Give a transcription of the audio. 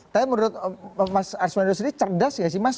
tapi menurut mas arsman yudhistri cerdas gak sih mas